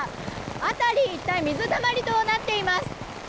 辺り一帯水たまりとなっています。